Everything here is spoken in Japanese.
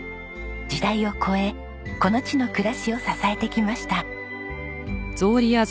時代を超えこの地の暮らしを支えてきました。